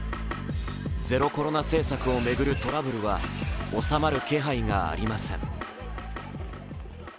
ゼロコロナ政策を巡るトラブルは収まる気配がありません。